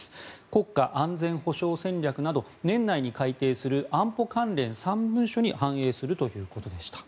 国家安全保障戦略など年内に改定する安保関連３文書に反映するということでした。